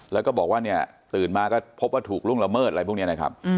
แล้วก็บอกว่าเนี่ยตื่นมาก็พบว่าถูกล่วงละเมิดอะไรพวกนี้นะครับ